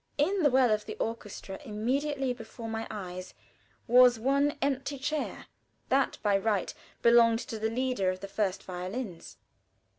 In the well of the orchestra immediately before my eyes was one empty chair, that by right belonging to the leader of the first violins.